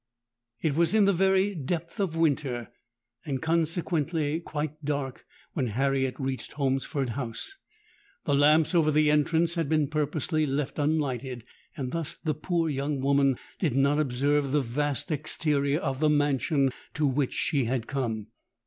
"It was in the very depth of winter and consequently quite dark when Harriet reached Holmesford House. The lamps over the entrance had been purposely left unlighted; and thus the poor young woman did not observe the vast exterior of the mansion to which she had come.